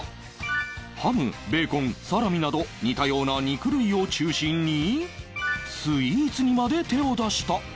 ハムベコーコンサラミなど似たような肉類を中心にスイーツにまで手を出した